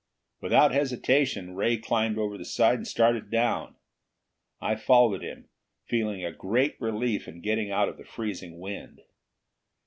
Without hesitation, Ray climbed over the side and started down. I followed him, feeling a great relief in getting out of the freezing wind.